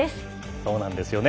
そうなんですよね